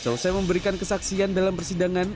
selesai memberikan kesaksian dalam persidangan